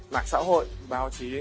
mạng xã hội báo chí